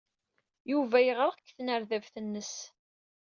Yuba yeɣreq deg tnerdabt-nnes.